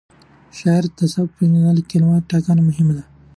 د شاعر د سبک په پېژندلو کې د کلماتو ټاکنه مهمه ده.